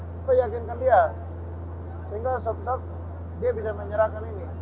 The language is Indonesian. kita yakinkan dia sehingga sebetulnya dia bisa menyerahkan ini